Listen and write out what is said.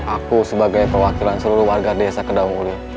aku sebagai perwakilan seluruh warga desa kedaunguli